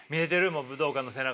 もう武道館の背中？